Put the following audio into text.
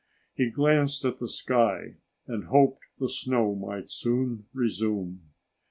He glanced at the sky and hoped the snow might soon resume.